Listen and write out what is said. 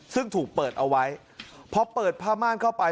ซึ่งถูกเปิดเอาไว้พอเปิดผ้าม่านเข้าไป